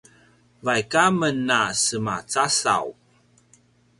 vaik aken a semacasaw